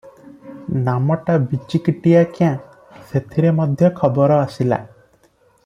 ନାମଟା ବିଚିକିଟିଆ କ୍ୟାଁ, ସେଥିର ମଧ୍ୟ ଖବର ଆସିଲା ।